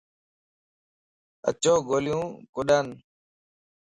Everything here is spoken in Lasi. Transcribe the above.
اچو گوليو ڪڏا ن